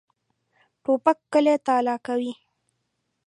توپک کلی تالا کوي.